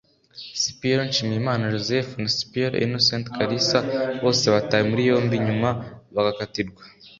Cpl Nshimiyimana Joseph na Cpl Innocent Kalisa; bose batawe muri yombi nyuma bagakatirwa